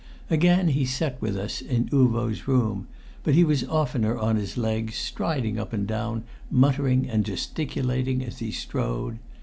Again he sat with us in Uvo's room; but he was oftener on his legs, striding up and down, muttering and gesticulating as he strode.